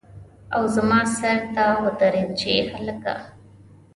او زما سر ته ودرېد چې هلکه!